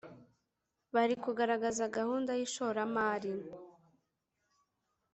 bari kugaragaza gahunda y ishoramari .